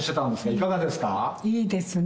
いいですね。